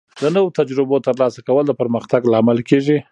د نوو تجربو ترلاسه کول د پرمختګ لامل کیږي.